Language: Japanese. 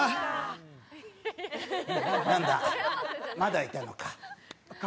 なんだ、まだいたのか。